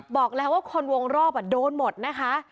บอกแล้วว่าคนวงรอบโดนหมดนะคะ